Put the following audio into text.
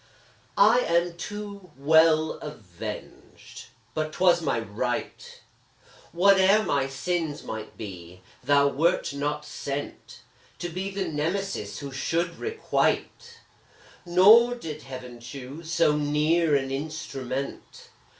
I am too well avenged! but 'twas my right; Whate'er my sins might be, thou wert not sent To be the Nemesis who should requite Nor did Heaven choose so near an instrument.